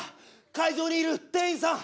会場にいる店員さん！